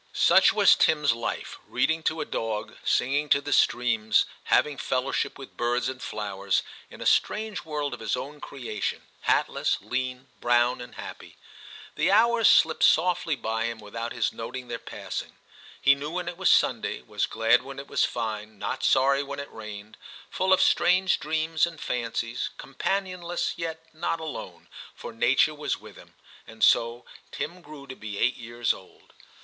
Such was Tim's life : reading to a dog, singing to the streams, having fellowship with birds and flowers, in a strange world of his own creation, hatless, lean, brown, and 8 TIM CHAP. happy. The hours slipped softly by him with out his noting their passing. He knew when it was Sunday, was glad when it was fine, not sorry when it rained, full of strange dreams and fancies, companionless yet not alone, for nature was with him. And so Tim grew to be eight years old.